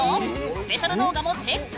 スペシャル動画もチェック！